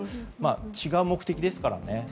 違う目的ですからね。